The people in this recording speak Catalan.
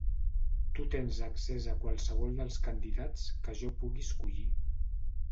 Tu tens accés a qualsevol dels candidats que jo pugui escollir.